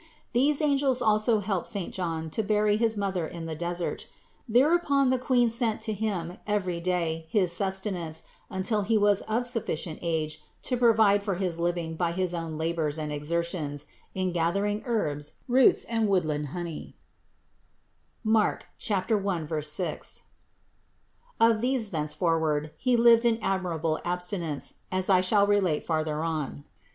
These angels also helped saint John to bury his mother in the desert. Thereupon the Queen sent to him every day his suste nance, until he was of sufficient age to provide for his living by his own labors and exertions in gathering herbs, roots and woodland honey (Mark 1, 6) ; of these thence forward he lived in admirable abstinence, as I shall relate farther on.